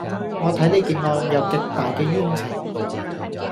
我睇呢件案有極大嘅冤情